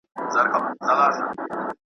دوو وروڼو جنګ وکړ، کم عقلو باور په وکړ .